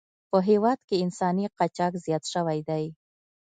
په هېواد کې انساني قاچاق زیات شوی دی.